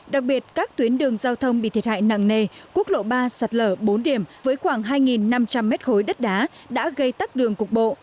đặc biệt các tuyến đường giao thông bị thiệt hại nặng nề quốc lộ ba sạt lở bốn điểm với khoảng hai năm trăm linh mét khối đất đá đã gây tắc đường cục bộ